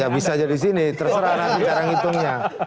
ya bisa jadi sini terserah nanti cara ngitungnya